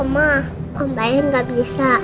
mama om baiknya gak bisa